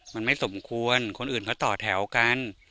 มันไม่สมควรคนอื่นเขาต่อแถวกัน